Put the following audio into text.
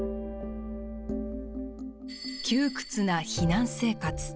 窮屈な避難生活。